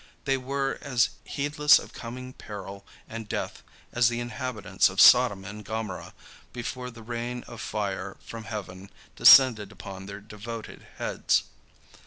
They were as heedless of coming peril and death as the inhabitants of Sodom and Gomorrah before the rain of fire from heaven descended upon their devoted heads.